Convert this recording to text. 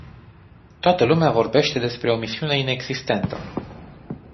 Toată lumea vorbește despre o misiune inexistentă.